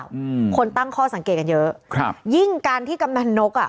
อืมคนตั้งข้อสังเกตกันเยอะครับยิ่งการที่กำนันนกอ่ะ